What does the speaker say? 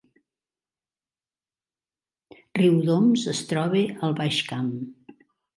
Riudoms es troba al Baix Camp